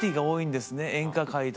演歌界とかは。